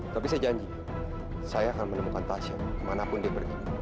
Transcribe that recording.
tapi saya janji saya akan menemukan pasien kemanapun dia pergi